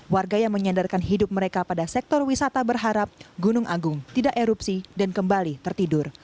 warga yang menyandarkan hidup mereka pada sektor wisata berharap gunung agung tidak erupsi dan kembali tertidur